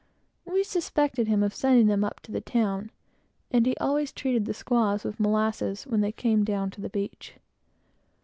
We suspected him of sending them up to the town; and he always treated the squaws with molasses, when they came down to the beach.